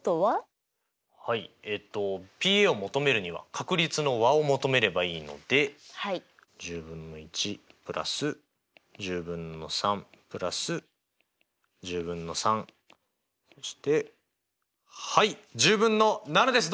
はいえっとＰを求めるには確率の和を求めればいいので１０分の１＋１０分の３＋１０分の３としてはい１０分の７です！